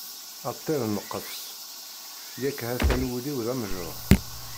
A ṭṭir n lqefṣ, yak ha-t-an wul-iw d amejruḥ.